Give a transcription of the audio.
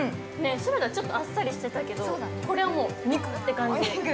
ショルダーちょっとあっさりしてたけど、これは肉って感じ。